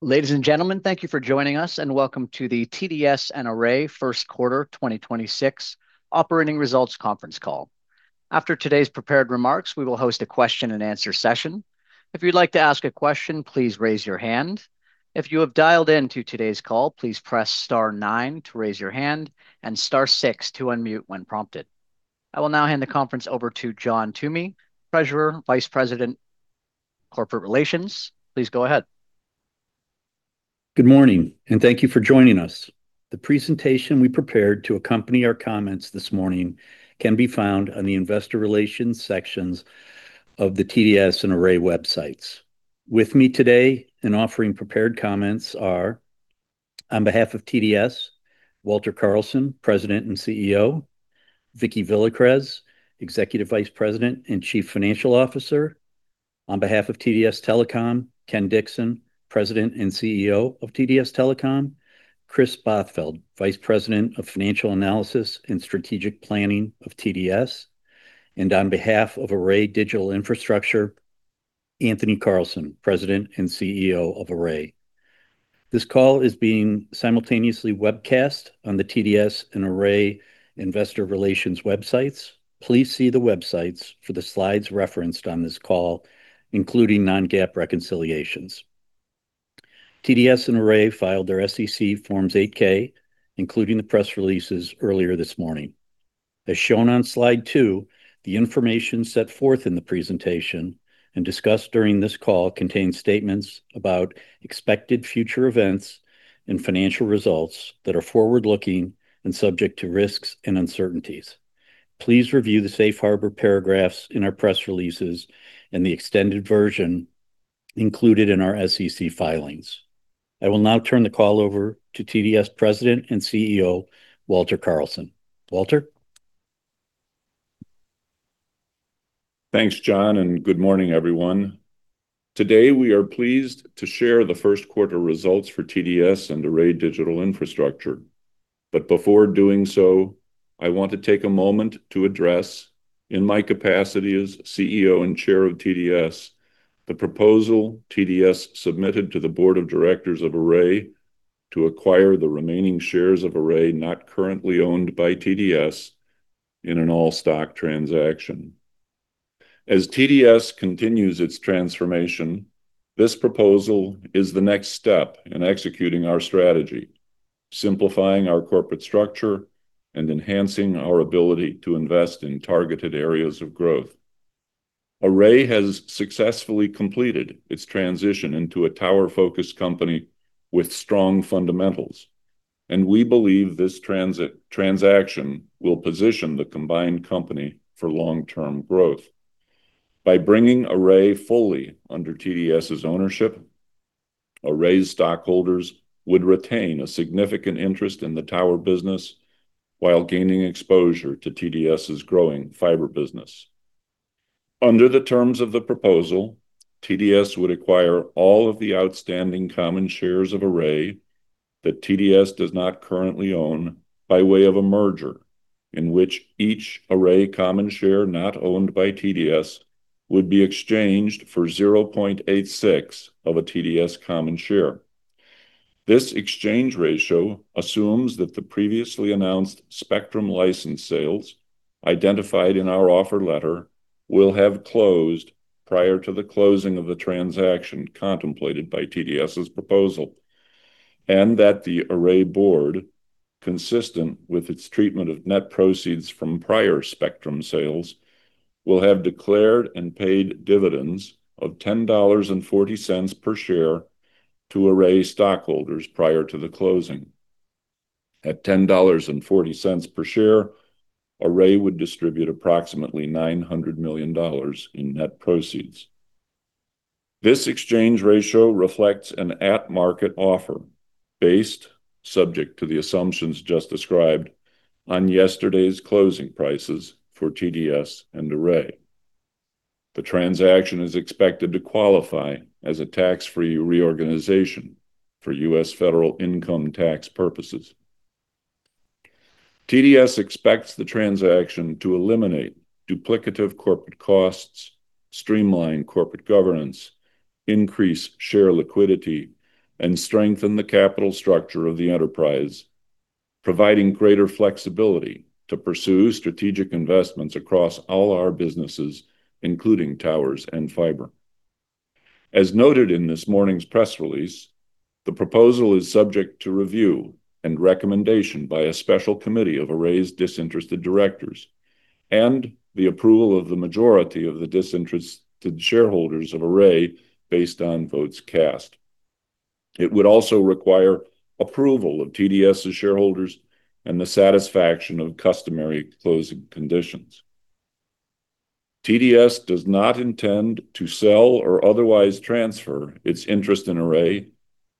Ladies and gentlemen, thank you for joining us, and welcome to the TDS and Array First Quarter 2026 Operating Results Conference Call. After today's prepared remarks, we will host a question-and-answer session. If you'd like to ask a question, please raise your hand. If you have dialed into today's call, please press star nine to raise your hand and star six to unmute when prompted. I will now hand the conference over to John Toomey, Treasurer Vice President Corporate Relations. Please go ahead. Good morning, and thank you for joining us. The presentation we prepared to accompany our comments this morning can be found on the investor relations sections of the TDS and Array websites. With me today and offering prepared comments are, on behalf of TDS, Walter Carlson, President and Chief Executive Officer, Vicki Villacrez, Executive Vice President and Chief Financial Officer, on behalf of TDS Telecom, Ken Dixon, President and Chief Executive Officer of TDS Telecom, Kristina Bothfeld, Vice President of Financial Analysis and Strategic Planning of TDS, and on behalf of Array Digital Infrastructure, Anthony Carlson, President and Chief Executive Officer of Array. This call is being simultaneously webcast on the TDS and Array investor relations websites. Please see the websites for the slides referenced on this call, including non-GAAP reconciliations. TDS and Array filed their SEC forms 8-K, including the press releases earlier this morning. As shown on slide two, the information set forth in the presentation and discussed during this call contains statements about expected future events and financial results that are forward-looking and subject to risks and uncertainties. Please review the safe harbor paragraphs in our press releases and the extended version included in our SEC filings. I will now turn the call over to TDS President and Chief Executive Officer, Walter Carlson. Walter? Thanks, John, and good morning, everyone. Today, we are pleased to share the first quarter results for TDS and Array Digital Infrastructure. Before doing so, I want to take a moment to address, in my capacity as Chief Executive Officer and Chair of TDS, the proposal TDS submitted to the board of directors of Array to acquire the remaining shares of Array not currently owned by TDS in an all-stock transaction. As TDS continues its transformation, this proposal is the next step in executing our strategy, simplifying our corporate structure and enhancing our ability to invest in targeted areas of growth. Array has successfully completed its transition into a tower-focused company with strong fundamentals. We believe this transaction will position the combined company for long-term growth. By bringing Array fully under TDS's ownership, Array stockholders would retain a significant interest in the tower business while gaining exposure to TDS's growing fiber business. Under the terms of the proposal, TDS would acquire all of the outstanding common shares of Array that TDS does not currently own by way of a merger in which each Array common share not owned by TDS would be exchanged for 0.86 of a TDS common share. This exchange ratio assumes that the previously announced spectrum license sales identified in our offer letter will have closed prior to the closing of the transaction contemplated by TDS's proposal, and that the Array board, consistent with its treatment of net proceeds from prior spectrum sales, will have declared and paid dividends of $10.40 per share to Array stockholders prior to the closing. At $10.40 per share, Array would distribute approximately $900 million in net proceeds. This exchange ratio reflects an at-market offer based, subject to the assumptions just described, on yesterday's closing prices for TDS and Array. The transaction is expected to qualify as a tax-free reorganization for U.S. federal income tax purposes. TDS expects the transaction to eliminate duplicative corporate costs, streamline corporate governance, increase share liquidity, and strengthen the capital structure of the enterprise, providing greater flexibility to pursue strategic investments across all our businesses, including towers and fiber. As noted in this morning's press release, the proposal is subject to review and recommendation by a special committee of Array's disinterested directors and the approval of the majority of the disinterested shareholders of Array based on votes cast. It would also require approval of TDS's shareholders and the satisfaction of customary closing conditions. TDS does not intend to sell or otherwise transfer its interest in Array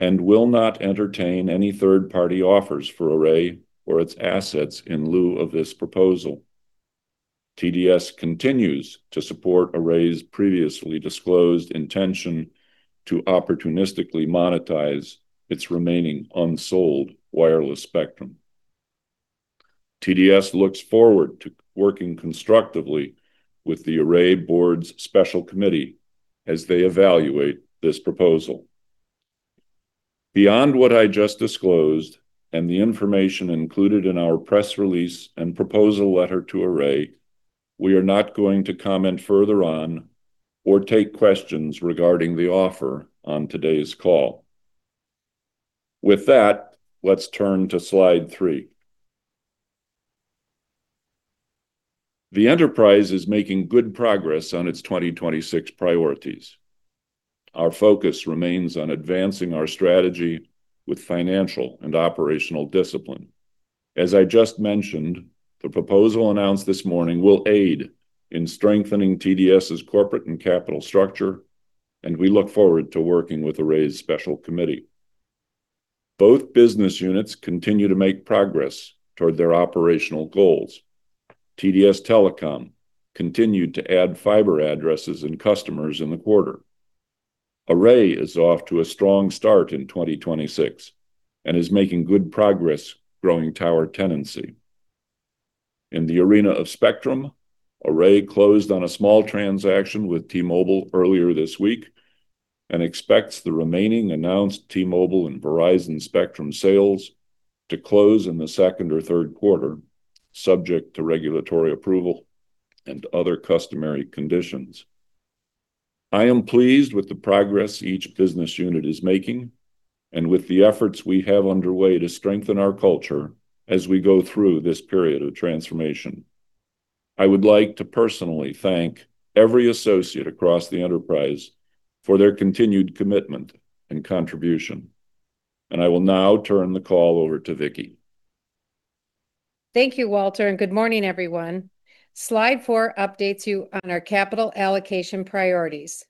and will not entertain any third-party offers for Array or its assets in lieu of this proposal. TDS continues to support Array's previously disclosed intention to opportunistically monetize its remaining unsold wireless spectrum. TDS looks forward to working constructively with the Array Board's special committee as they evaluate this proposal. Beyond what I just disclosed, and the information included in our press release and proposal letter to Array, we are not going to comment further on or take questions regarding the offer on today's call. With that, let's turn to slide three. The enterprise is making good progress on its 2026 priorities. Our focus remains on advancing our strategy with financial and operational discipline. As I just mentioned, the proposal announced this morning will aid in strengthening TDS's corporate and capital structure, and we look forward to working with Array's special committee. Both business units continue to make progress toward their operational goals. TDS Telecom continued to add fiber addresses and customers in the quarter. Array is off to a strong start in 2026, and is making good progress growing tower tenancy. In the arena of spectrum, Array closed on a small transaction with T-Mobile earlier this week, and expects the remaining announced T-Mobile and Verizon spectrum sales to close in the second or third quarter, subject to regulatory approval and other customary conditions. I am pleased with the progress each business unit is making, and with the efforts we have underway to strengthen our culture as we go through this period of transformation. I would like to personally thank every associate across the enterprise for their continued commitment and contribution. I will now turn the call over to Vicki. Thank you, Walter. Good morning, everyone. Slide 4 updates you on our capital allocation priorities.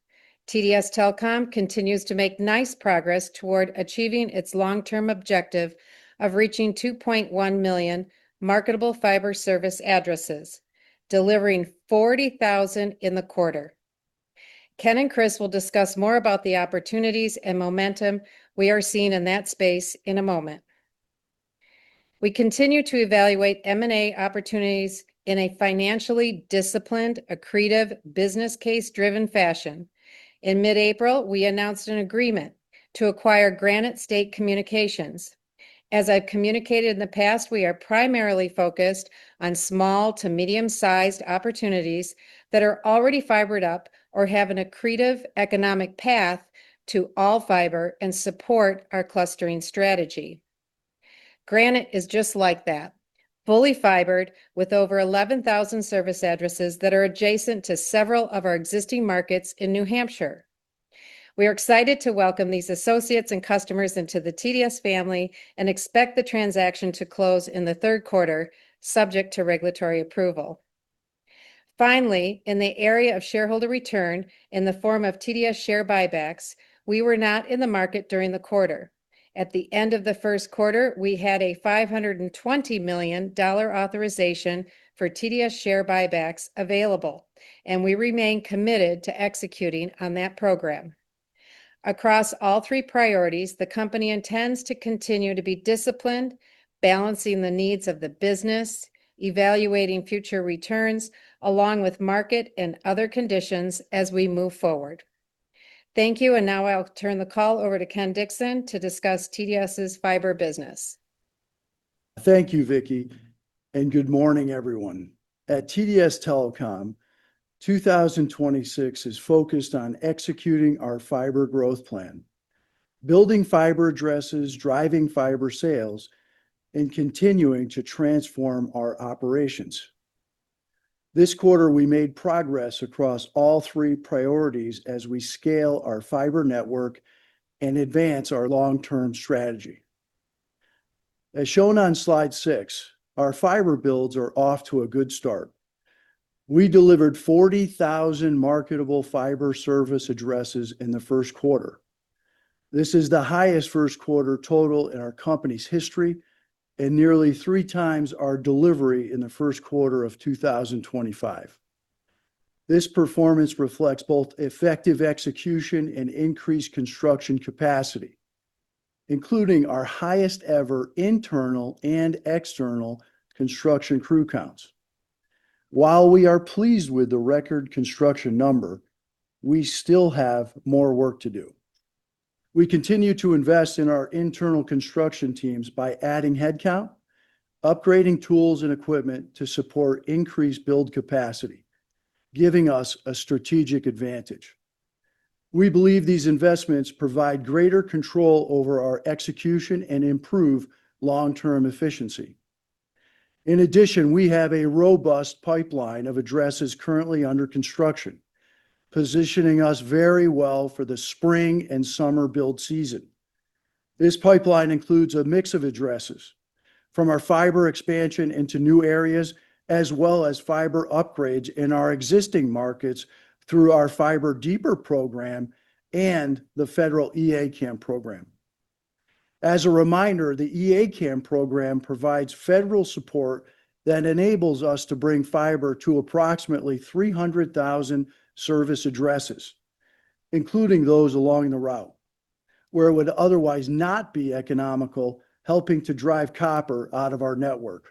TDS Telecom continues to make nice progress toward achieving its long-term objective of reaching 2.1 million marketable fiber service addresses, delivering 40,000 in the quarter. Ken and Chris will discuss more about the opportunities and momentum we are seeing in that space in a moment. We continue to evaluate M&A opportunities in a financially disciplined, accretive business case-driven fashion. In mid-April, we announced an agreement to acquire Granite State Communications. As I've communicated in the past, we are primarily focused on small to medium-sized opportunities that are already fibered up or have an accretive economic path to all fiber and support our clustering strategy. Granite is just like that, fully fibered with over 11,000 service addresses that are adjacent to several of our existing markets in New Hampshire. We are excited to welcome these associates and customers into the TDS family, and expect the transaction to close in the third quarter, subject to regulatory approval. Finally, in the area of shareholder return in the form of TDS share buybacks, we were not in the market during the quarter. At the end of the first quarter, we had a $520 million authorization for TDS share buybacks available, and we remain committed to executing on that program. Across all three priorities, the company intends to continue to be disciplined, balancing the needs of the business, evaluating future returns, along with market and other conditions as we move forward. Thank you. Now I'll turn the call over to Ken Dixon to discuss TDS's fiber business. Thank you, Vicki, and good morning, everyone. At TDS Telecom, 2026 is focused on executing our fiber growth plan, building fiber addresses, driving fiber sales, and continuing to transform our operations. This quarter, we made progress across all three priorities as we scale our fiber network and advance our long-term strategy. As shown on slide six, our fiber builds are off to a good start. We delivered 40,000 marketable fiber service addresses in the first quarter. This is the highest first quarter total in our company's history, and nearly 3x our delivery in the first quarter of 2025. This performance reflects both effective execution and increased construction capacity, including our highest ever internal and external construction crew counts. While we are pleased with the record construction number, we still have more work to do. We continue to invest in our internal construction teams by adding headcount, upgrading tools and equipment to support increased build capacity, giving us a strategic advantage. We believe these investments provide greater control over our execution and improve long-term efficiency. We have a robust pipeline of addresses currently under construction, positioning us very well for the spring and summer build season. This pipeline includes a mix of addresses from our fiber expansion into new areas, as well as fiber upgrades in our existing markets through our Fiber Deeper program and the federal E-ACAM program. The E-ACAM program provides federal support that enables us to bring fiber to approximately 300,000 service addresses, including those along the route where it would otherwise not be economical, helping to drive copper out of our network.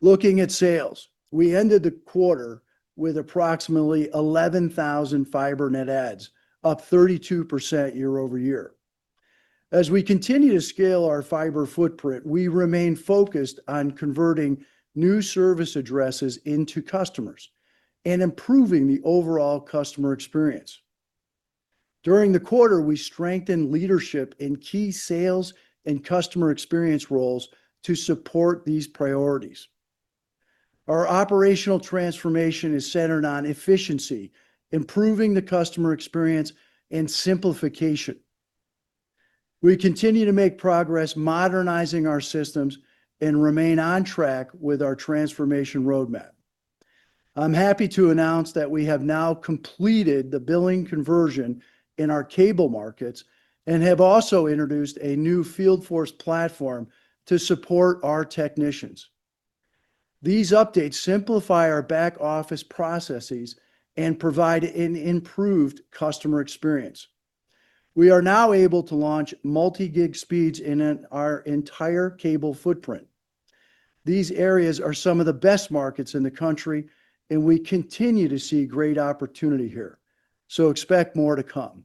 Looking at sales, we ended the quarter with approximately 11,000 fiber net adds, up 32% year-over-year. As we continue to scale our fiber footprint, we remain focused on converting new service addresses into customers and improving the overall customer experience. During the quarter, we strengthened leadership in key sales and customer experience roles to support these priorities. Our operational transformation is centered on efficiency, improving the customer experience, and simplification. We continue to make progress modernizing our systems and remain on track with our transformation roadmap. I'm happy to announce that we have now completed the billing conversion in our cable markets and have also introduced a new field force platform to support our technicians. These updates simplify our back-office processes and provide an improved customer experience. We are now able to launch multi-gig speeds in our entire cable footprint. These areas are some of the best markets in the country, and we continue to see great opportunity here. Expect more to come.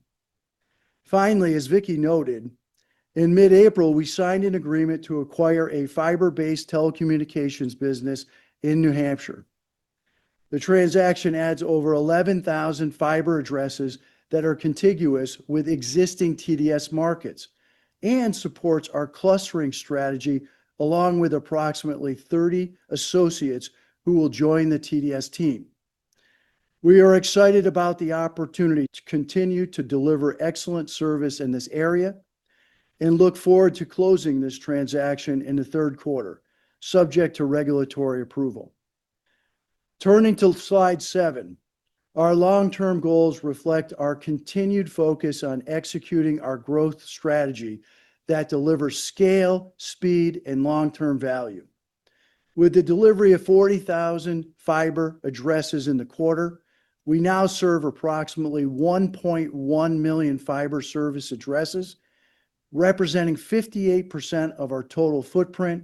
Finally, as Vicki noted, in mid-April, we signed an agreement to acquire a fiber-based telecommunications business in New Hampshire. The transaction adds over 11,000 fiber addresses that are contiguous with existing TDS markets and supports our clustering strategy along with approximately 30 associates who will join the TDS team. We are excited about the opportunity to continue to deliver excellent service in this area and look forward to closing this transaction in the third quarter, subject to regulatory approval. Turning to slide seven, our long-term goals reflect our continued focus on executing our growth strategy that delivers scale, speed, and long-term value. With the delivery of 40,000 fiber addresses in the quarter, we now serve approximately 1.1 million fiber service addresses, representing 58% of our total footprint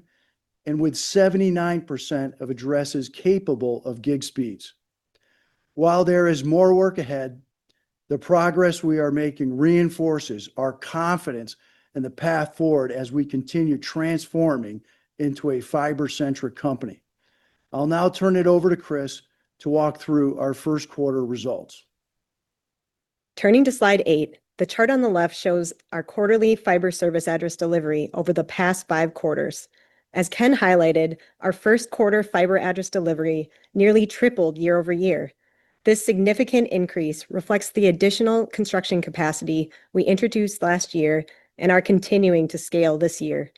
and with 79% of addresses capable of gig speeds. While there is more work ahead, the progress we are making reinforces our confidence in the path forward as we continue transforming into a fiber-centric company. I'll now turn it over to Kris to walk through our first quarter results. Turning to slide eight, the chart on the left shows our quarterly fiber service address delivery over the past five quarters. As Ken highlighted, our first quarter fiber address delivery nearly tripled year-over-year. This significant increase reflects the additional construction capacity we introduced last year and are continuing to scale this year.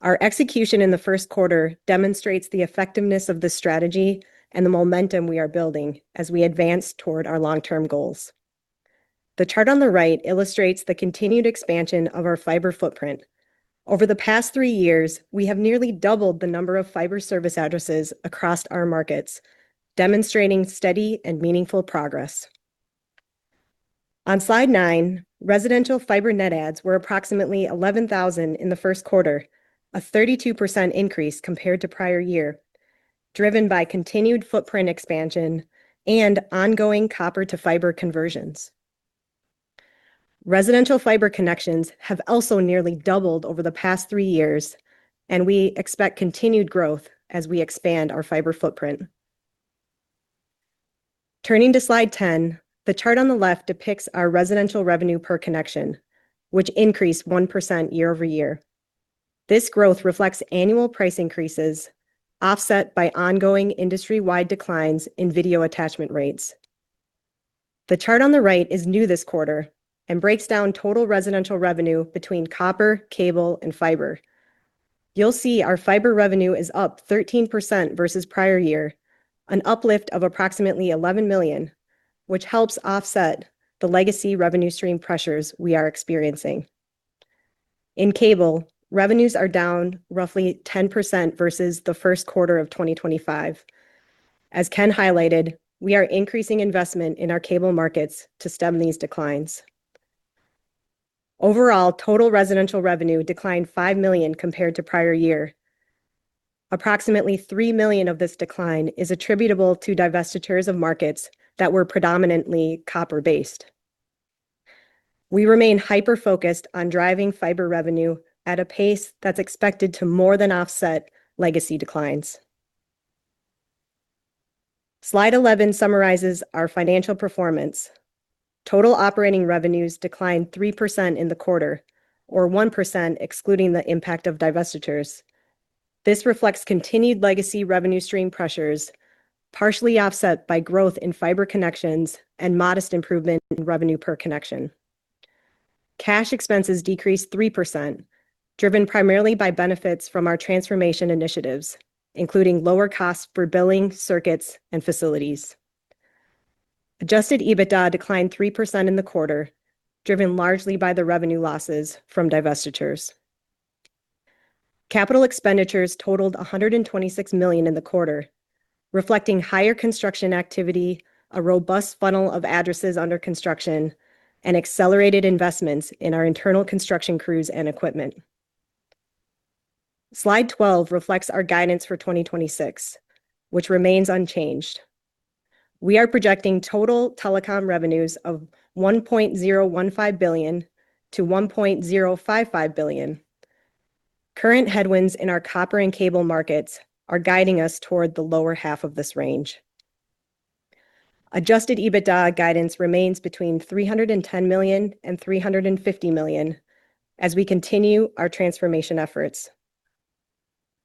Our execution in the first quarter demonstrates the effectiveness of the strategy and the momentum we are building as we advance toward our long-term goals. The chart on the right illustrates the continued expansion of our fiber footprint. Over the past three years, we have nearly doubled the number of fiber service addresses across our markets, demonstrating steady and meaningful progress. On slide nine, residential fiber net adds were approximately 11,000 in the first quarter, a 32% increase compared to prior year, driven by continued footprint expansion and ongoing copper-to-fiber conversions. Residential fiber connections have also nearly doubled over the past three years, we expect continued growth as we expand our fiber footprint. Turning to slide 10, the chart on the left depicts our residential revenue per connection, which increased 1% year-over-year. This growth reflects annual price increases offset by ongoing industry-wide declines in video attachment rates. The chart on the right is new this quarter and breaks down total residential revenue between copper, cable, and fiber. You'll see our fiber revenue is up 13% versus prior year, an uplift of approximately $11 million, which helps offset the legacy revenue stream pressures we are experiencing. In cable, revenues are down roughly 10% versus the first quarter of 2025. As Ken highlighted, we are increasing investment in our cable markets to stem these declines. Overall, total residential revenue declined $5 million compared to prior year. Approximately $3 million of this decline is attributable to divestitures of markets that were predominantly copper-based. We remain hyper-focused on driving fiber revenue at a pace that's expected to more than offset legacy declines. Slide 11 summarizes our financial performance. Total operating revenues declined 3% in the quarter or 1% excluding the impact of divestitures. This reflects continued legacy revenue stream pressures, partially offset by growth in fiber connections and modest improvement in revenue per connection. Cash expenses decreased 3%, driven primarily by benefits from our transformation initiatives, including lower costs for billing, circuits, and facilities. Adjusted EBITDA declined 3% in the quarter, driven largely by the revenue losses from divestitures. Capital expenditures totaled $126 million in the quarter, reflecting higher construction activity, a robust funnel of addresses under construction, and accelerated investments in our internal construction crews and equipment. Slide 12 reflects our guidance for 2026, which remains unchanged. We are projecting total telecom revenues of $1.015 billion to $1.055 billion. Current headwinds in our copper and cable markets are guiding us toward the lower half of this range. Adjusted EBITDA guidance remains between $310 million and $350 million as we continue our transformation efforts.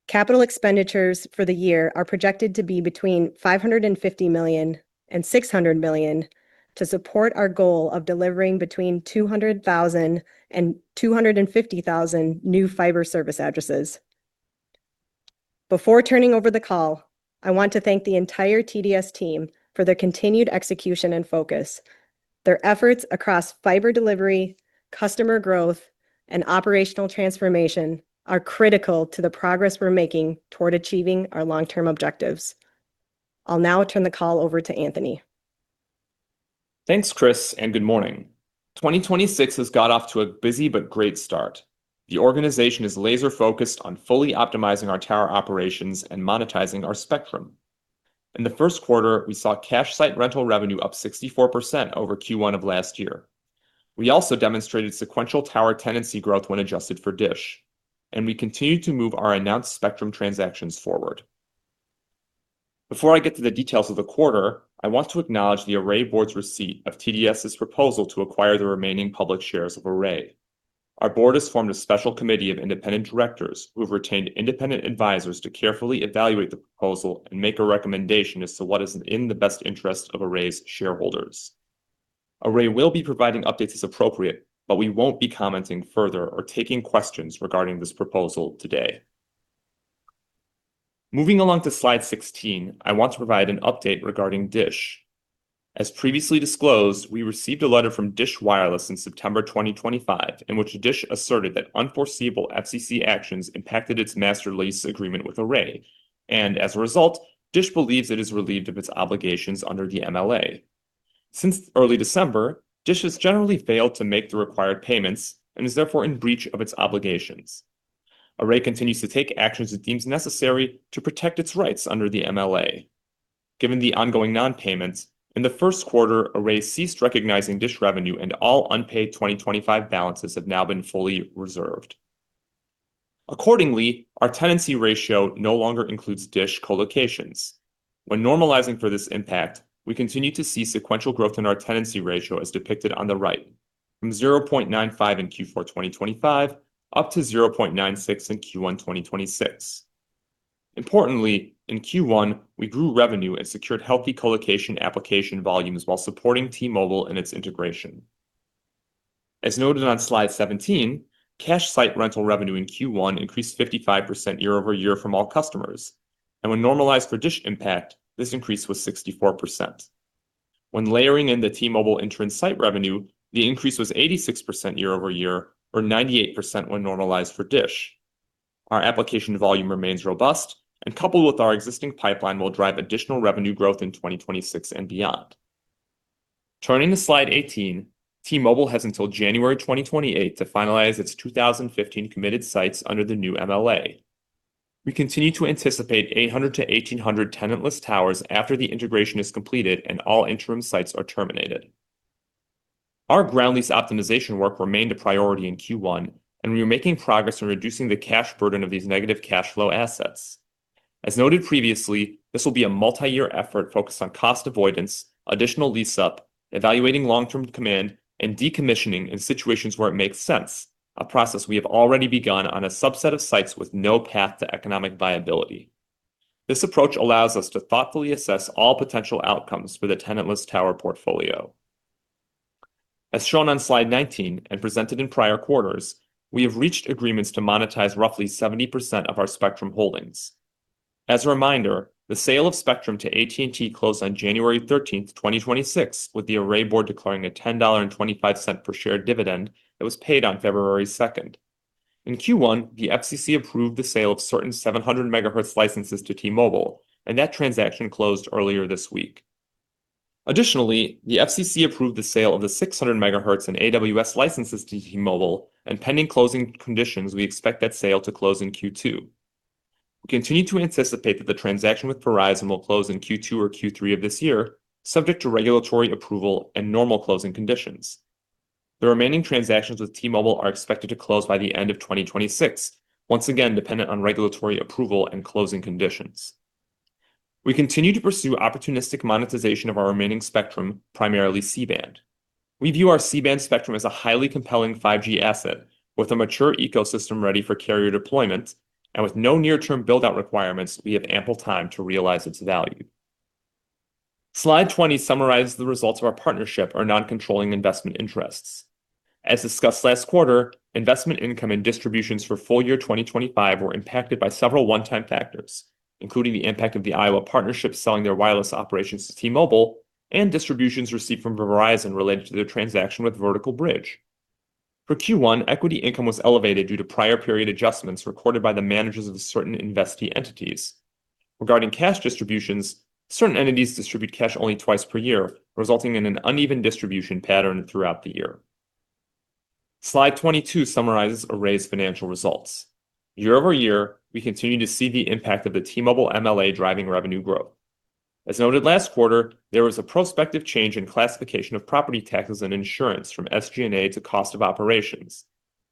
Capital expenditures for the year are projected to be between $550 million and $600 million to support our goal of delivering between 200,000 and 250,000 new fiber service addresses. Before turning over the call, I want to thank the entire TDS team for their continued execution and focus. Their efforts across fiber delivery, customer growth, and operational transformation are critical to the progress we're making toward achieving our long-term objectives. I'll now turn the call over to Anthony. Thanks, Kris, and good morning. 2026 has got off to a busy but great start. The organization is laser-focused on fully optimizing our tower operations and monetizing our spectrum. In the first quarter, we saw cash site rental revenue up 64% over Q1 of last year. We also demonstrated sequential tower tenancy growth when adjusted for DISH, and we continue to move our announced spectrum transactions forward. Before I get to the details of the quarter, I want to acknowledge the Array board's receipt of TDS's proposal to acquire the remaining public shares of Array. Our board has formed a special committee of independent directors who have retained independent advisors to carefully evaluate the proposal and make a recommendation as to what is in the best interest of Array's shareholders. Array will be providing updates as appropriate, but we won't be commenting further or taking questions regarding this proposal today. Moving along to slide 16, I want to provide an update regarding DISH. As previously disclosed, we received a letter from DISH Wireless in September 2025, in which DISH asserted that unforeseeable FCC actions impacted its master lease agreement with Array. As a result, DISH believes it is relieved of its obligations under the MLA. Since early December, DISH has generally failed to make the required payments and is therefore in breach of its obligations. Array continues to take actions it deems necessary to protect its rights under the MLA. Given the ongoing non-payments, in the first quarter, Array ceased recognizing DISH revenue and all unpaid 2025 balances have now been fully reserved. Accordingly, our tenancy ratio no longer includes DISH co-locations. When normalizing for this impact, we continue to see sequential growth in our tenancy ratio as depicted on the right, from 0.95 in Q4 2025 up to 0.96 in Q1 2026. Importantly, in Q1, we grew revenue and secured healthy colocation application volumes while supporting T-Mobile and its integration. As noted on Slide 17, cash site rental revenue in Q1 increased 55% year-over-year from all customers, and when normalized for DISH impact, this increase was 64%. When layering in the T-Mobile interim site revenue, the increase was 86% year-over-year or 98% when normalized for DISH. Our application volume remains robust and coupled with our existing pipeline will drive additional revenue growth in 2026 and beyond. Turning to slide 18, T-Mobile has until January 2028 to finalize its 2015 committed sites under the new MLA. We continue to anticipate 800-1,800 tenantless towers after the integration is completed and all interim sites are terminated. Our ground lease optimization work remained a priority in Q1. We are making progress in reducing the cash burden of these negative cash flow assets. As noted previously, this will be a multi-year effort focused on cost avoidance, additional lease up, evaluating long-term command, and decommissioning in situations where it makes sense. A process we have already begun on a subset of sites with no path to economic viability. This approach allows us to thoughtfully assess all potential outcomes for the tenantless tower portfolio. As shown on slide 19 and presented in prior quarters, we have reached agreements to monetize roughly 70% of our spectrum holdings. As a reminder, the sale of spectrum to AT&T closed on January 13, 2026, with the Array board declaring a $10.25 per share dividend that was paid on February 2. In Q1, the FCC approved the sale of certain 700 MHz licenses to T-Mobile, and that transaction closed earlier this week. Additionally, the FCC approved the sale of the 600 MHz and AWS licenses to T-Mobile, and pending closing conditions, we expect that sale to close in Q2. We continue to anticipate that the transaction with Verizon will close in Q2 or Q3 of this year, subject to regulatory approval and normal closing conditions. The remaining transactions with T-Mobile are expected to close by the end of 2026, once again dependent on regulatory approval and closing conditions. We continue to pursue opportunistic monetization of our remaining spectrum, primarily C-band. We view our C-band spectrum as a highly compelling 5G asset with a mature ecosystem ready for carrier deployment and with no near term build out requirements, we have ample time to realize its value. Slide 20 summarizes the results of our partnership, our non-controlling investment interests. As discussed last quarter, investment income and distributions for full year 2025 were impacted by several one-time factors, including the impact of the Iowa partnership selling their wireless operations to T-Mobile and distributions received from Verizon related to their transaction with Vertical Bridge. For Q1, equity income was elevated due to prior period adjustments recorded by the managers of certain investee entities. Regarding cash distributions, certain entities distribute cash only twice per year, resulting in an uneven distribution pattern throughout the year. Slide 22 summarizes Array's financial results. Year-over-year, we continue to see the impact of the T-Mobile MLA driving revenue growth. As noted last quarter, there was a prospective change in classification of property taxes and insurance from SG&A to cost of operations.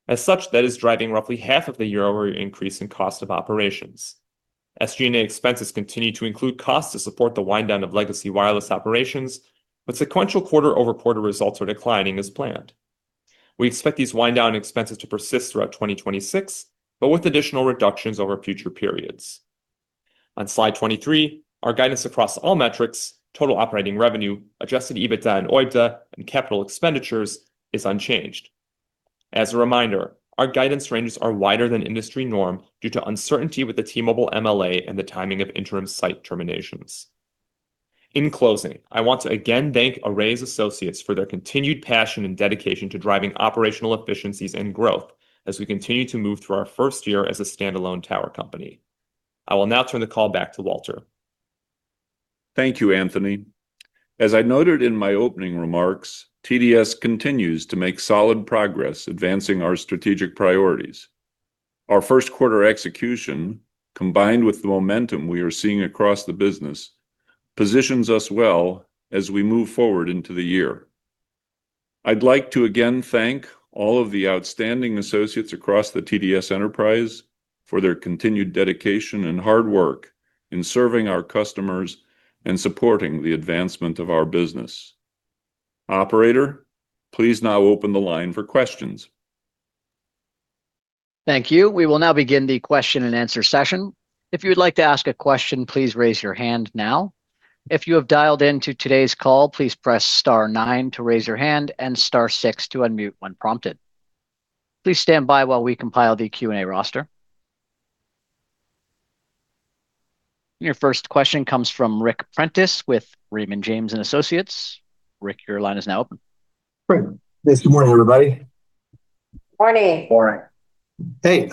That is driving roughly half of the year-over-year increase in cost of operations. SG&A expenses continue to include costs to support the wind-down of legacy wireless operations, sequential quarter-over-quarter results are declining as planned. We expect these wind-down expenses to persist throughout 2026, with additional reductions over future periods. On Slide 23, our guidance across all metrics, total operating revenue, adjusted EBITDA and OIBDA and capital expenditures is unchanged. As a reminder, our guidance ranges are wider than industry norm due to uncertainty with the T-Mobile MLA and the timing of interim site terminations. In closing, I want to again thank Array's associates for their continued passion and dedication to driving operational efficiencies and growth as we continue to move through our first year as a standalone tower company. I will now turn the call back to Walter. Thank you, Anthony. As I noted in my opening remarks, TDS continues to make solid progress advancing our strategic priorities. Our first quarter execution, combined with the momentum we are seeing across the business, positions us well as we move forward into the year. I'd like to again thank all of the outstanding associates across the TDS enterprise for their continued dedication and hard work in serving our customers and supporting the advancement of our business. Operator, please now open the line for questions. Thank you. We will now begin the question and answer session. If you would like to ask a question please raise your hand now. If you have dialed today's call please press star nine to raise it and star six to lower it. Please wait as we align the roster. Your first question comes from Ric Prentiss with Raymond James & Associates. Ric, your line is now open. Great. Yes, good morning, everybody? Morning. Morning. Hey,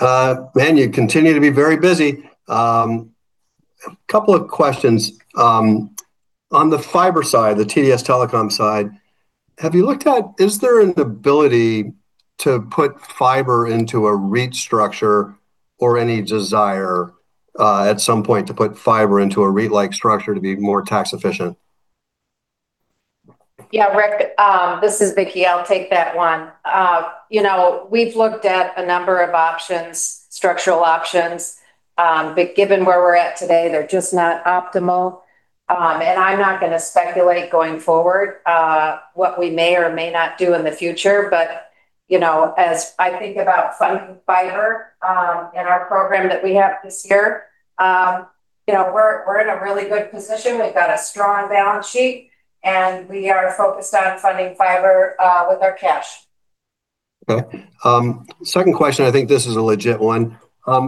man, you continue to be very busy. A couple of questions. On the fiber side, the TDS Telecom side, have you looked at, is there an ability to put fiber into a REIT structure or any desire at some point to put fiber into a REIT-like structure to be more tax efficient? Yeah. Ric, this is Vicki. I'll take that one. You know, we've looked at a number of options, structural options, given where we're at today, they're just not optimal. I'm not gonna speculate going forward, what we may or may not do in the future. You know, as I think about funding fiber, in our program that we have this year, you know, we're in a really good position. We've got a strong balance sheet, and we are focused on funding fiber with our cash. Okay. Second question, I think this is a legit one.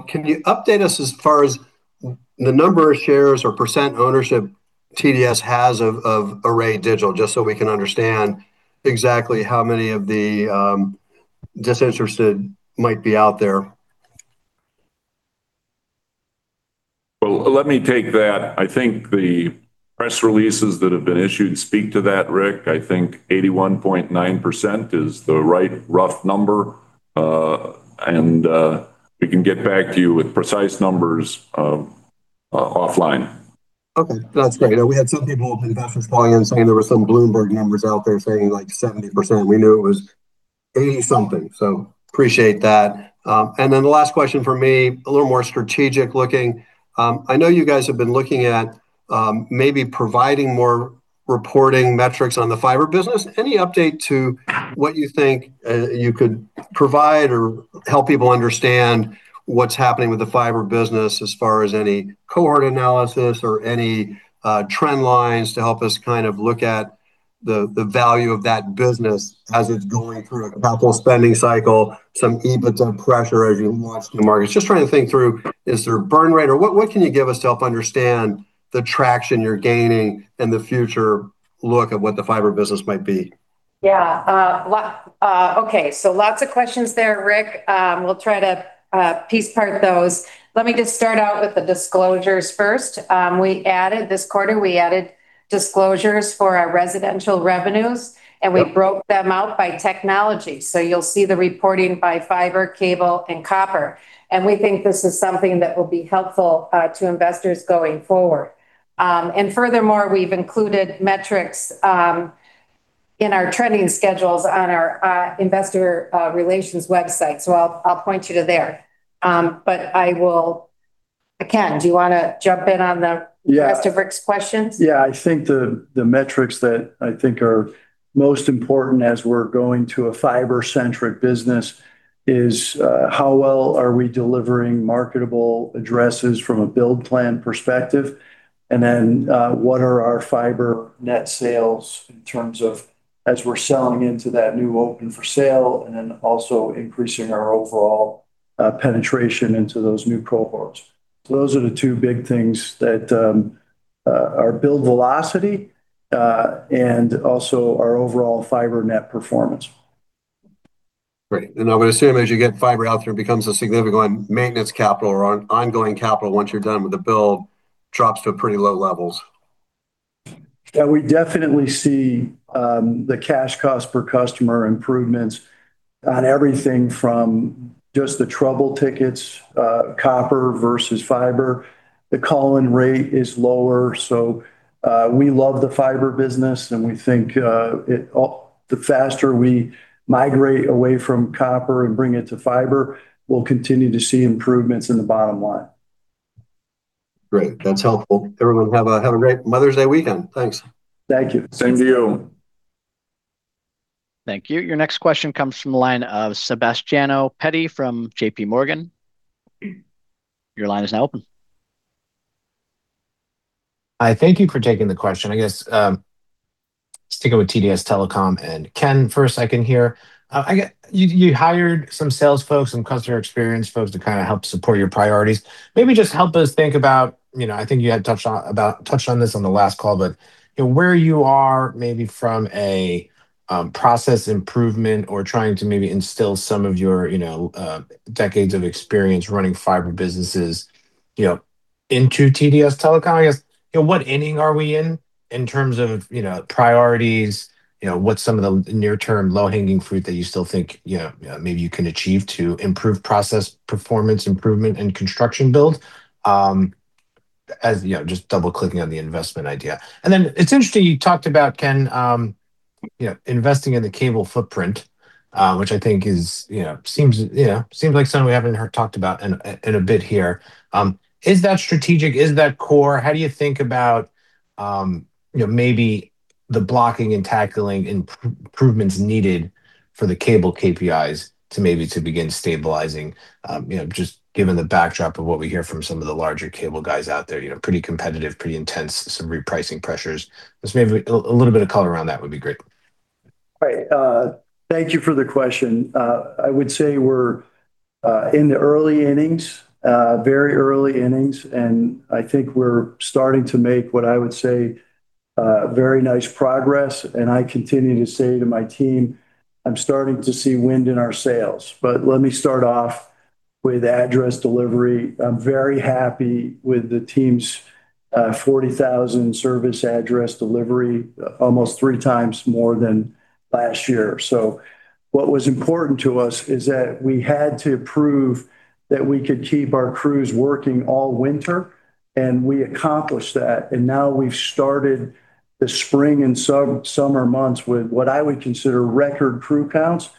Can you update us as far as the number of shares or percent ownership TDS has of Array Digital, just so we can understand exactly how many of the disinterested might be out there? Well, let me take that. I think the press releases that have been issued speak to that, Ric. I think 81.9% is the right rough number. We can get back to you with precise numbers offline. Okay. That's great. We had some people, investors calling in saying there were some Bloomberg numbers out there saying like 70%. We knew it was 80% something, appreciate that. The last question from me, a little more strategic looking. I know you guys have been looking at maybe providing more reporting metrics on the fiber business. Any update to what you think you could provide or help people understand what's happening with the fiber business as far as any cohort analysis or any trend lines to help us kind of look at the value of that business as it's going through a capital spending cycle, some EBITDA pressure as you launch the markets. Just trying to think through, is there a burn rate or what can you give us to help understand the traction you're gaining and the future look of what the fiber business might be? Yeah. Okay. Lots of questions there, Ric. We'll try to piece part those. Let me just start out with the disclosures first. This quarter, we added disclosures for our residential revenues- Yep We broke them out by technology. You'll see the reporting by fiber, cable, and copper, and we think this is something that will be helpful to investors going forward. Furthermore, we've included metrics in our trending schedules on our investor relations website. I'll point you to there. I will Ken, do you wanna jump in on the? Yeah Rest of Ric's questions? Yeah. I think the metrics that I think are most important as we're going to a fiber-centric business is how well are we delivering marketable addresses from a build plan perspective, and then what are our fiber net sales in terms of as we're selling into that new open for sale and then also increasing our overall. Penetration into those new cohorts. Those are the two big things that our build velocity and also our overall fiber net performance. Great. I would assume as you get fiber out there, it becomes a significant maintenance capital or ongoing capital once you're done with the build, drops to pretty low levels. Yeah, we definitely see the cash cost per customer improvements on everything from just the trouble tickets, copper versus fiber. The call-in rate is lower, we love the fiber business, and we think the faster we migrate away from copper and bring it to fiber, we'll continue to see improvements in the bottom line. Great. That's helpful. Everyone, have a great Mother's Day weekend. Thanks. Thank you. Same to you. Thank you. Your next question comes from the line of Sebastiano Petti from JPMorgan, your line is now open. Hi. Thank you for taking the question. I guess, sticking with TDS Telecom and Ken, first I can hear. I get you hired some sales folks and customer experience folks to kind of help support your priorities. Maybe just help us think about, you know, I think you had touched on this on the last call, but, you know, where you are maybe from a process improvement or trying to maybe instill some of your, you know, decades of experience running fiber businesses, you know, into TDS Telecom. I guess, you know, what inning are we in in terms of, you know, priorities? You know, what's some of the near-term low-hanging fruit that you still think, you know, maybe you can achieve to improve process performance improvement and construction build? As you know, just double-clicking on the investment idea. It's interesting you talked about, Ken, you know, investing in the cable footprint, which I think is, you know, seems, you know, seems like something we haven't heard talked about in a, in a bit here. Is that strategic? Is that core? How do you think about, you know, maybe the blocking and tackling improvements needed for the cable KPIs to maybe to begin stabilizing? You know, just given the backdrop of what we hear from some of the larger cable guys out there, you know, pretty competitive, pretty intense, some repricing pressures. Maybe a little bit of color around that would be great. Right. Thank you for the question. I would say we're in the early innings, very early innings, I think we're starting to make what I would say, very nice progress. I continue to say to my team, "I'm starting to see wind in our sails. Let me start off with address delivery. I'm very happy with the team's 40,000 service address delivery, almost 3x more than last year. What was important to us is that we had to prove that we could keep our crews working all winter, and we accomplished that. Now we've started the spring and summer months with what I would consider record crew counts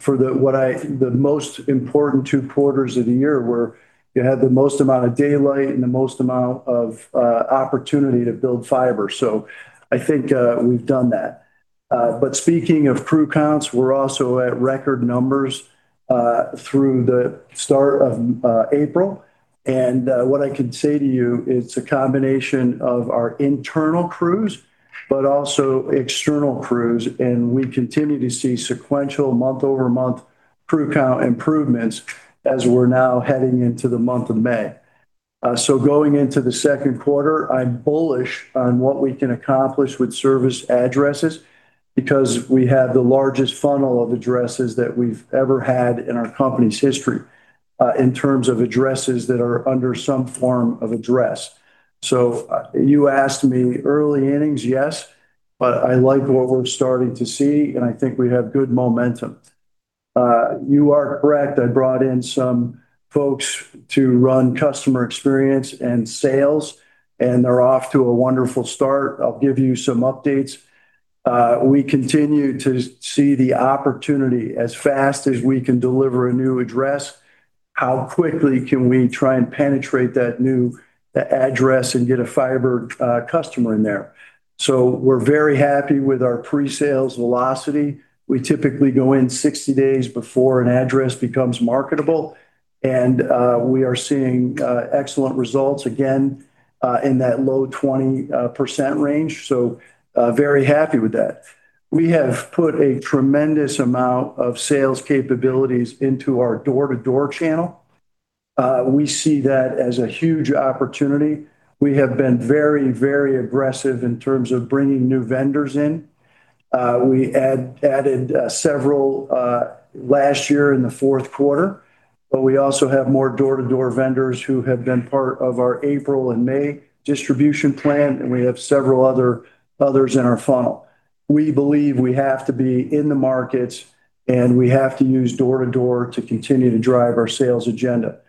for the most important two quarters of the year, where you have the most amount of daylight and the most amount of opportunity to build fiber. I think we've done that. Speaking of crew counts, we're also at record numbers through the start of April. What I can say to you, it's a combination of our internal crews, but also external crews, and we continue to see sequential month-over-month crew count improvements as we're now heading into the month of May. Going into the second quarter, I'm bullish on what we can accomplish with service addresses because we have the largest funnel of addresses that we've ever had in our company's history, in terms of addresses that are under some form of address. You asked me early innings, yes, but I like what we're starting to see, and I think we have good momentum. You are correct. I brought in some folks to run customer experience and sales, and they're off to a wonderful start. I'll give you some updates. We continue to see the opportunity as fast as we can deliver a new address, how quickly can we try and penetrate that new address and get a fiber customer in there? We're very happy with our pre-sales velocity. We typically go in 60 days before an address becomes marketable. We are seeing excellent results again in that low 20% range. We are very happy with that. We have put a tremendous amount of sales capabilities into our door-to-door channel. We see that as a huge opportunity. We have been very, very aggressive in terms of bringing new vendors in. We added several last year in the fourth quarter. We also have more door-to-door vendors who have been part of our April and May distribution plan. We have several others in our funnel. We believe we have to be in the markets. We have to use door to door to continue to drive our sales agenda.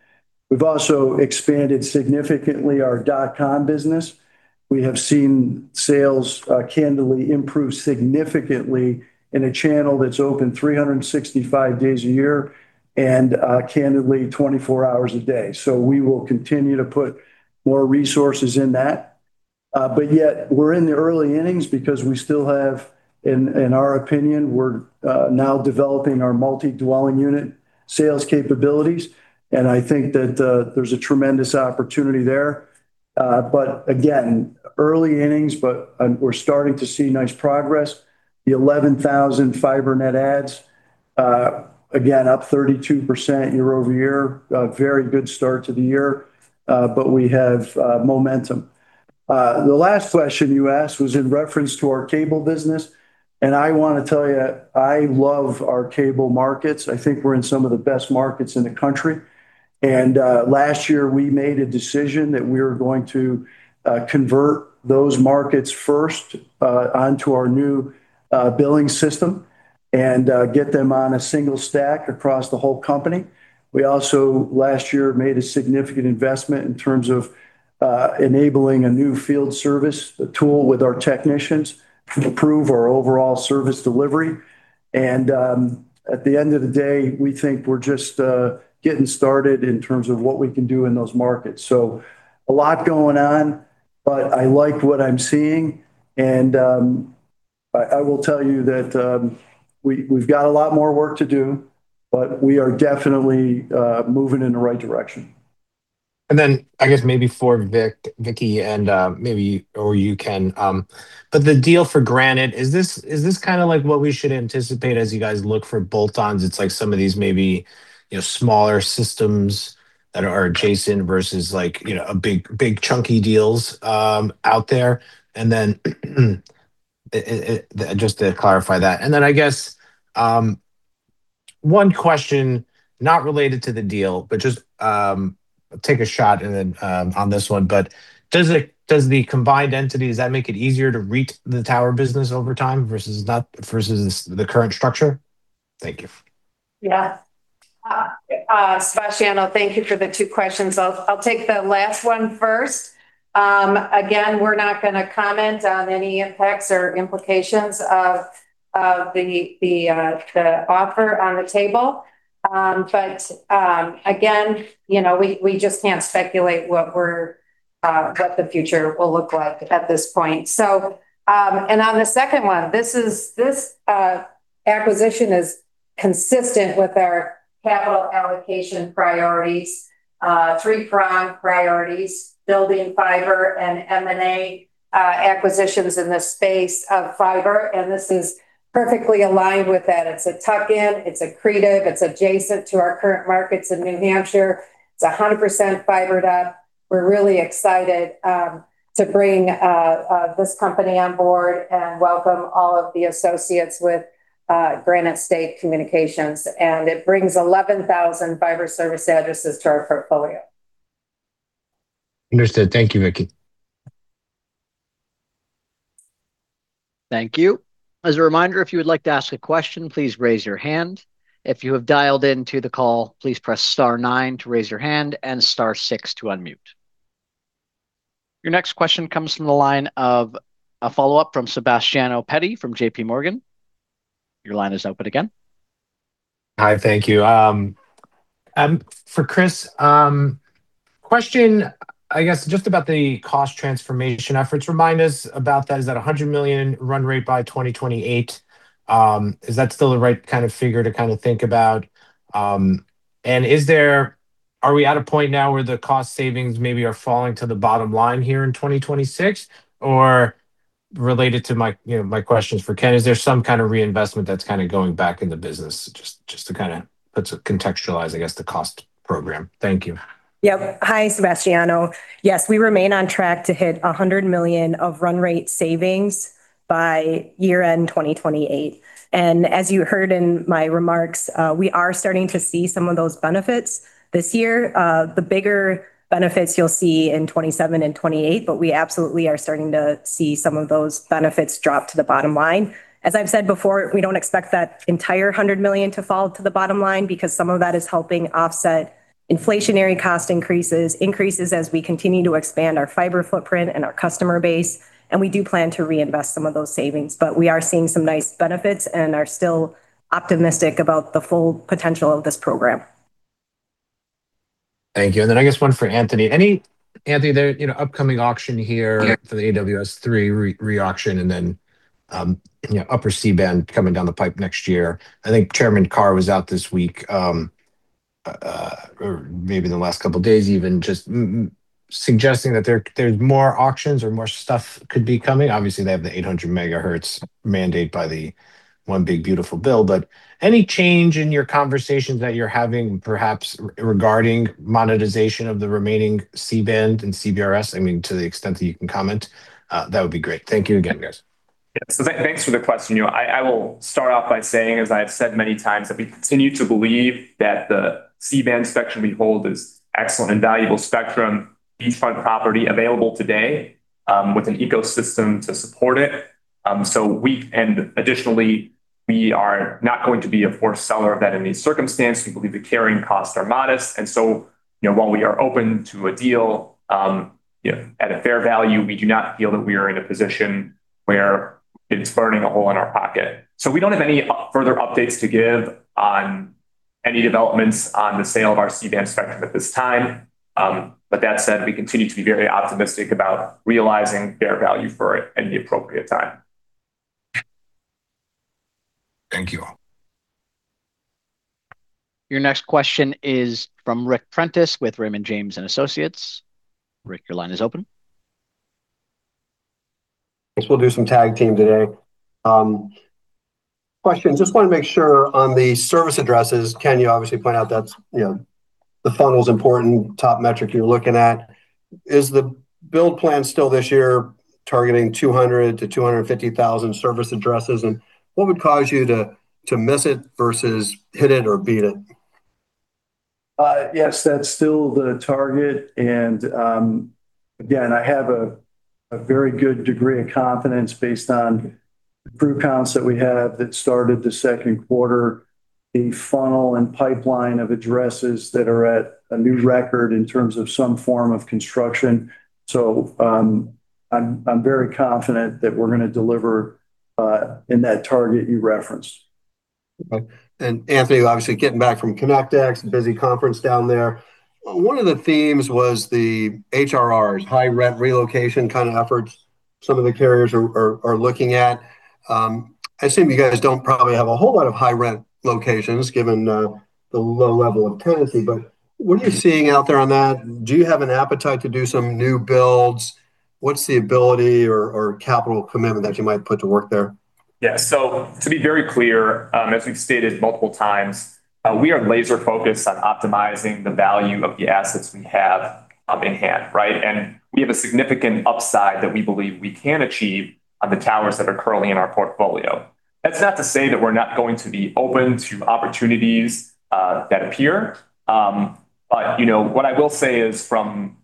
We've also expanded significantly our dotcom business. We have seen sales, candidly improve significantly in a channel that's open 365 days a year and candidly 24-hours a day. We will continue to put more resources in that. Yet we're in the early innings because we still have, in our opinion, we're now developing our multi-dwelling unit sales capabilities, and I think that there's a tremendous opportunity there. Again, early innings, but we're starting to see nice progress. The 11,000 fiber net adds, again, up 32% year-over-year. A very good start to the year, we have momentum. The last question you asked was in reference to our cable business, and I wanna tell you, I love our cable markets. I think we're in some of the best markets in the country. Last year we made a decision that we're going to convert those markets first onto our new billing system and get them on a single stack across the whole company. We also, last year, made a significant investment in terms of enabling a new field service, a tool with our technicians to improve our overall service delivery. At the end of the day, we think we're just getting started in terms of what we can do in those markets. A lot going on, but I like what I'm seeing. I will tell you that, we've got a lot more work to do, but we are definitely moving in the right direction. I guess maybe for Vicki and, maybe or you can. The deal for Granite, is this kinda like what we should anticipate as you guys look for bolt-ons? It's like some of these maybe, you know, smaller systems that are adjacent versus like, you know, a big chunky deals out there? Just to clarify that. I guess one question not related to the deal, but just take a shot and then on this one. Does the combined entity, does that make it easier to reach the tower business over time versus not, versus the current structure? Thank you. Sebastiano Petti, thank you for the two questions. I'll take the last one first. Again, we're not gonna comment on any impacts or implications of the offer on the table. Again, you know, we just can't speculate what the future will look like at this point. On the second one, this acquisition is consistent with our capital allocation priorities, 3-prong priorities, building fiber and M&A acquisitions in the space of fiber, and this is perfectly aligned with that. It's a tuck-in, it's accretive, it's adjacent to our current markets in New Hampshire. It's 100% fibered up. We're really excited to bring this company on board and welcome all of the associates with Granite State Communications, and it brings 11,000 fiber service addresses to our portfolio. Understood. Thank you, Vicki. Thank you. As a reminder, if you would like to ask a question, please raise your hand. Your next question comes from the line of a follow-up from Sebastiano Petti from JPMorgan, your line is open again. Hi. Thank you. For Kristina Bothfeld, question, I guess just about the cost transformation efforts. Remind us about that. Is that a $100 million run rate by 2028? Is that still the right kind of figure to kinda think about? And are we at a point now where the cost savings maybe are falling to the bottom line here in 2026? Or related to my, you know, my questions for Ken Dixon, is there some kind of reinvestment that's kinda going back in the business just to kinda contextualize, I guess, the cost program? Thank you. Yeah. Hi, Sebastiano. Yes, we remain on track to hit $100 million of run rate savings by year-end 2028. As you heard in my remarks, we are starting to see some of those benefits this year. The bigger benefits you'll see in 2027 and 2028, we absolutely are starting to see some of those benefits drop to the bottom line. As I've said before, we don't expect that entire $100 million to fall to the bottom line because some of that is helping offset inflationary cost increases as we continue to expand our fiber footprint and our customer base, and we do plan to reinvest some of those savings. We are seeing some nice benefits and are still optimistic about the full potential of this program. Thank you. Then I guess one for Anthony. Anthony, the, you know, upcoming auction here for the AWS-3 re-auction, you know, upper C-band coming down the pipe next year. I think Chairman Carr was out this week or maybe in the last couple of days even just suggesting that there's more auctions or more stuff could be coming. Obviously, they have the 800 MHz mandate by the one big, beautiful bill. Any change in your conversations that you're having perhaps regarding monetization of the remaining C-band and CBRS? I mean, to the extent that you can comment, that would be great. Thank you again, guys. Yeah. Thanks for the question. You know, I will start off by saying, as I have said many times, that we continue to believe that the C-band spectrum we hold is excellent and valuable spectrum, beachfront property available today, with an ecosystem to support it. And additionally, we are not going to be a poor seller of that in this circumstance. We believe the carrying costs are modest. You know, while we are open to a deal, you know, at a fair value, we do not feel that we are in a position where it's burning a hole in our pocket. We don't have any further updates to give on any developments on the sale of our C-band spectrum at this time. That said, we continue to be very optimistic about realizing their value for it in the appropriate time. Thank you. Your next question is from Ric Prentiss with Raymond James & Associates. Ric, your line is open Yes, we'll do some tag team today. Question. Just wanna make sure on the service addresses, Ken, you obviously point out that's, you know, the funnel's important top metric you're looking at. Is the build plan still this year targeting 200,000-250,000 service addresses? What would cause you to miss it versus hit it or beat it? Yes, that's still the target. Again, I have a very good degree of confidence based on crew counts that we have that started the second quarter, the funnel and pipeline of addresses that are at a new record in terms of some form of construction. I'm very confident that we're gonna deliver in that target you referenced. Okay. Anthony, obviously getting back from Connect (X), a busy conference down there. One of the themes was the HRRs, high rent relocation kind of efforts some of the carriers are looking at. I assume you guys don't probably have a whole lot of high rent locations given the low level of tenancy, but what are you seeing out there on that? Do you have an appetite to do some new builds? What's the ability or capital commitment that you might put to work there? Yeah. To be very clear, as we've stated multiple times, we are laser focused on optimizing the value of the assets we have in hand, right? We have a significant upside that we believe we can achieve on the towers that are currently in our portfolio. That's not to say that we're not going to be open to opportunities that appear. But, you know, what I will say is from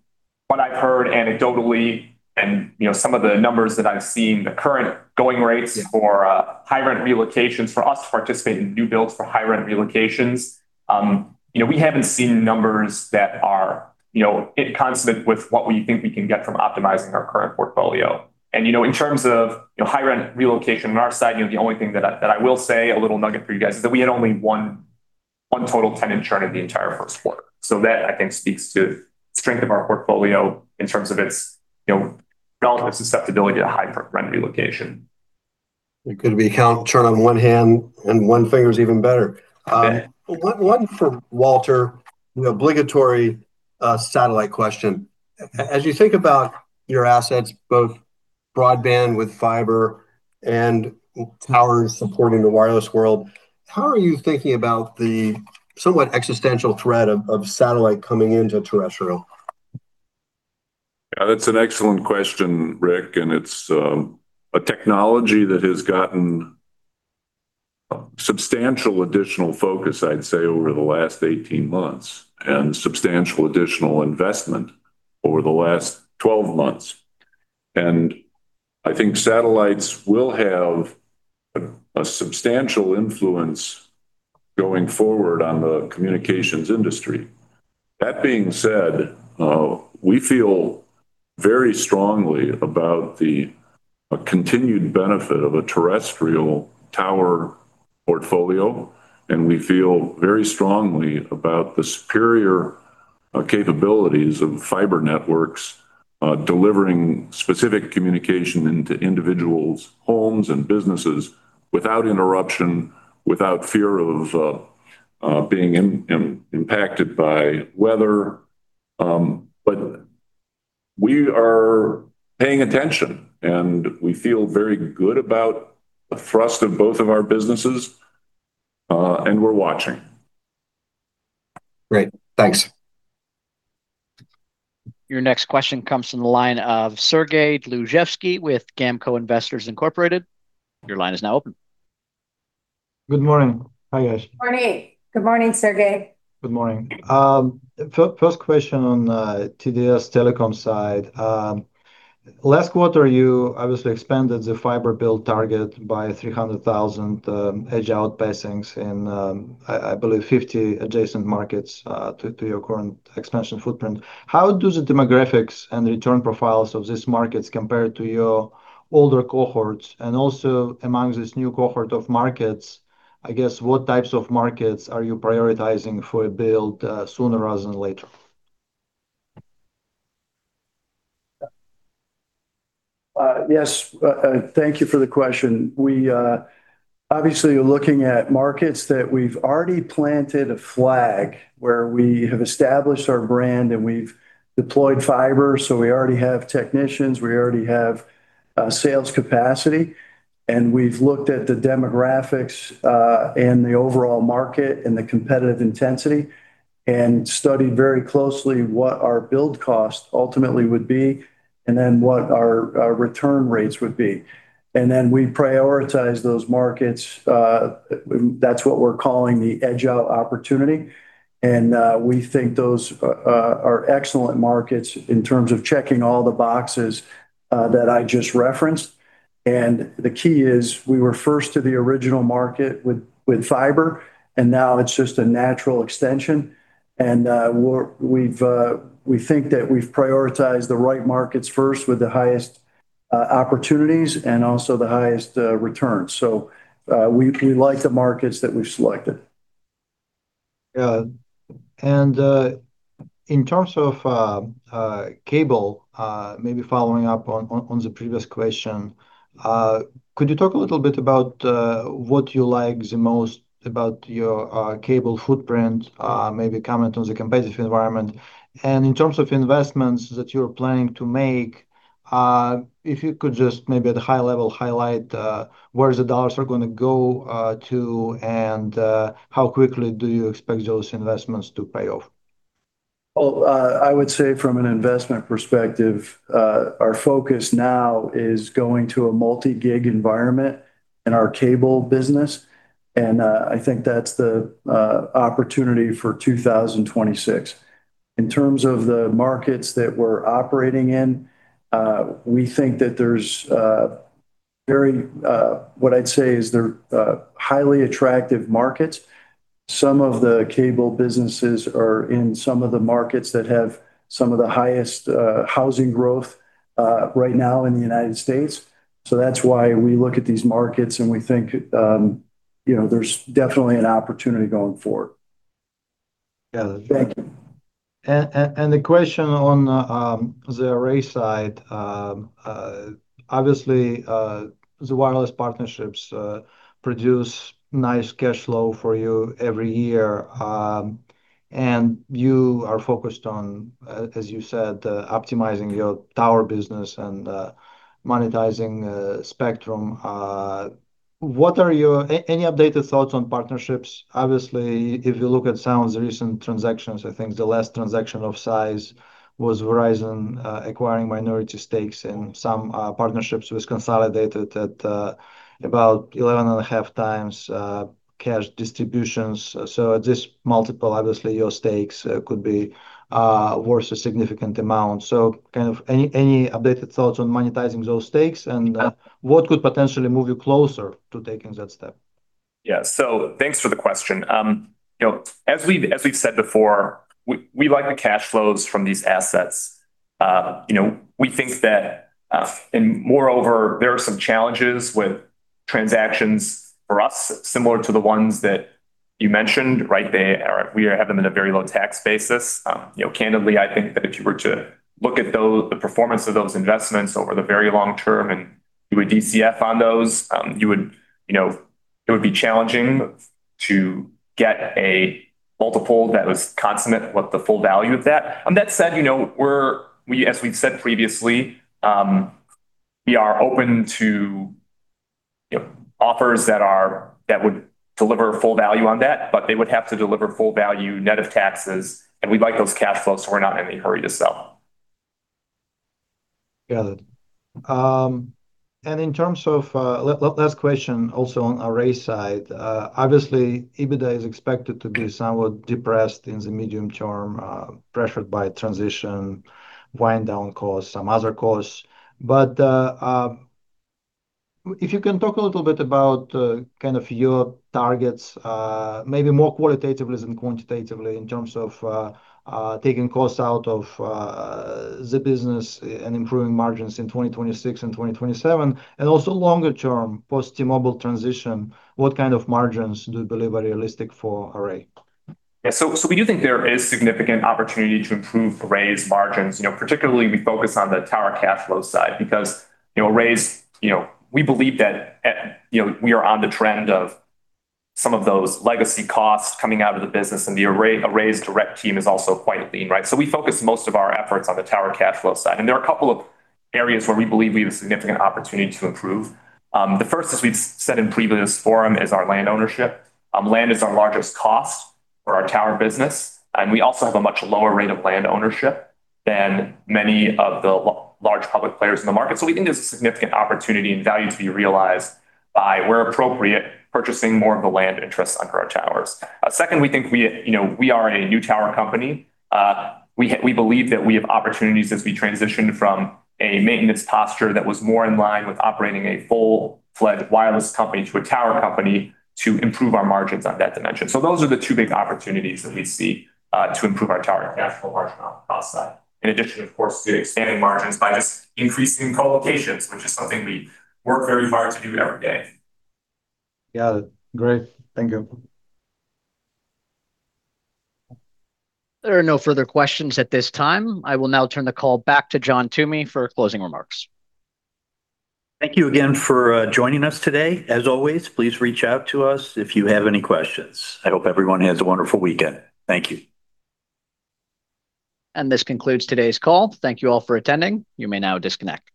what I've heard anecdotally and, you know, some of the numbers that I've seen, the current going rates for high rent colocations for us to participate in new builds for high rent colocations, you know, we haven't seen numbers that are, you know, inconsistent with what we think we can get from optimizing our current portfolio. You know, in terms of, you know, high rent relocation on our side, you know, the only thing that I, that I will say, a little nugget for you guys, is that we had only one total tenant churn in the entire first quarter. That I think speaks to strength of our portfolio in terms of its, you know, relative susceptibility to high rent relocation. It could be count, churn on one hand and one finger's even better. Okay. One, one for Walter. The obligatory satellite question. As you think about your assets, both broadband with fiber and towers supporting the wireless world, how are you thinking about the somewhat existential threat of satellite coming into terrestrial? Yeah, that's an excellent question, Ric, and it's a technology that has gotten substantial additional focus, I'd say, over the last 18 months, and substantial additional investment over the last 12 months. I think satellites will have a substantial influence going forward on the communications industry. That being said, we feel very strongly about the continued benefit of a terrestrial tower portfolio, and we feel very strongly about the superior capabilities of fiber networks, delivering specific communication into individuals' homes and businesses without interruption, without fear of being impacted by weather. We are paying attention, and we feel very good about the thrust of both of our businesses, and we're watching. Great. Thanks. Your next question comes from the line of Sergey Dluzhevskiy with GAMCO Investors, Inc. Good morning. Hi, guys? Morning. Good morning, Sergey. Good morning. First question on TDS Telecom side. Last quarter, you obviously expanded the fiber build target by 300,000 edge out-passings in, I believe 50 adjacent markets to your current expansion footprint. How do the demographics and return profiles of these markets compare to your older cohorts? Also among this new cohort of markets, I guess, what types of markets are you prioritizing for a build sooner rather than later? Yes. Thank you for the question. We obviously are looking at markets that we've already planted a flag, where we have established our brand and we've deployed fiber. We already have technicians, we already have sales capacity. We've looked at the demographics and the overall market and the competitive intensity, and studied very closely what our build cost ultimately would be and then what our return rates would be. Then we prioritize those markets. That's what we're calling the edge out opportunity. We think those are excellent markets in terms of checking all the boxes that I just referenced. The key is we were first to the original market with fiber, and now it's just a natural extension. We think that we've prioritized the right markets first with the highest opportunities and also the highest returns. We like the markets that we've selected. Yeah. In terms of cable, maybe following up on the previous question, could you talk a little bit about what you like the most about your cable footprint? Maybe comment on the competitive environment. In terms of investments that you're planning to make, if you could just maybe at a high level highlight where the dollars are gonna go to and how quickly do you expect those investments to pay off? I would say from an investment perspective, our focus now is going to a multi-gig environment in our cable business, and I think that's the opportunity for 2026. In terms of the markets that we're operating in, we think that there's what I'd say is they're highly attractive markets. Some of the cable businesses are in some of the markets that have some of the highest housing growth right now in the United States. That's why we look at these markets, and we think, you know, there's definitely an opportunity going forward. Yeah. Thank you. The question on the Array side, obviously, the wireless partnerships produce nice cash flow for you every year. You are focused on, as you said, optimizing your tower business and monetizing spectrum. What are your any updated thoughts on partnerships? Obviously, if you look at some of the recent transactions, I think the last transaction of size was Verizon acquiring minority stakes and some partnerships was consolidated at about 11.5x cash distributions. At this multiple, obviously, your stakes could be worth a significant amount. kind of any updated thoughts on monetizing those stakes, and what could potentially move you closer to taking that step? Yeah. Thanks for the question. you know, as we've said before, we like the cash flows from these assets. you know, we think that, moreover, there are some challenges with transactions for us, similar to the ones that you mentioned, right? We have them in a very low tax basis. you know, candidly, I think that if you were to look at the performance of those investments over the very long term, you would DCF on those, it would be challenging to get a multiple that was consummate with the full value of that. That said, you know, as we've said previously, we are open to, you know, offers that would deliver full value on that, but they would have to deliver full value net of taxes, and we like those cash flows, so we're not in any hurry to sell. Got it. In terms of last question also on Array side. Obviously, EBITDA is expected to be somewhat depressed in the medium term, pressured by transition, wind down costs, some other costs. If you can talk a little bit about kind of your targets, maybe more qualitatively than quantitatively in terms of taking costs out of the business and improving margins in 2026 and 2027, and also longer term post T-Mobile transition, what kind of margins do you believe are realistic for Array? Yeah. We do think there is significant opportunity to improve Array's margins. You know, particularly we focus on the tower cash flow side because, you know, Array's. We believe that, you know, we are on the trend of some of those legacy costs coming out of the business, and Array's direct team is also quite lean, right? We focus most of our efforts on the tower cash flow side, and there are a couple of areas where we believe we have a significant opportunity to improve. The first, as we've said in previous forum, is our land ownership. Land is our largest cost for our tower business, and we also have a much lower rate of land ownership than many of the large public players in the market. We think there's a significant opportunity and value to be realized by, where appropriate, purchasing more of the land interests under our towers. Second, we think, you know, we are a new tower company. We believe that we have opportunities as we transition from a maintenance posture that was more in line with operating a full-fledged wireless company to a tower company to improve our margins on that dimension. Those are the two big opportunities that we see to improve our tower cash flow margin on the cost side. In addition, of course, to expanding margins by just increasing colocations, which is something we work very hard to do every day. Got it. Great. Thank you. There are no further questions at this time. I will now turn the call back to John Toomey for closing remarks. Thank you again for joining us today. As always, please reach out to us if you have any questions. I hope everyone has a wonderful weekend. Thank you. This concludes today's call. Thank you all for attending, you may now disconnect.